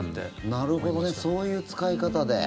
なるほどねそういう使い方で。